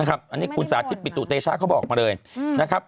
อันนี้คุณสาธิตปิตุเตชะเขาบอกมาเลยนะครับ